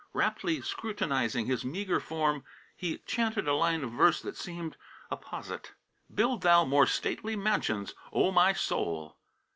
Raptly scrutinizing his meagre form he chanted a line of verse that seemed apposite: "_Build thou more stately mansions, O my soul!